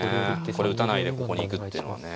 これ打たないでここに行くっていうのはね。